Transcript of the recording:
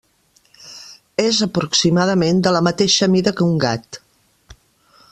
És aproximadament de la mateixa mida que un gat.